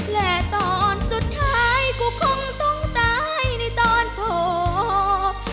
และตอนสุดท้ายกูคงต้องตายในตอนโชค